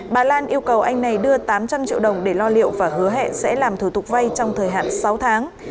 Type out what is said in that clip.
bà lan yêu cầu anh này đưa tám trăm linh triệu đồng để lo liệu và hứa hẹn sẽ làm thủ tục vay trong thời hạn sáu tháng